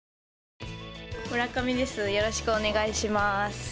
村上です、よろしくお願いします。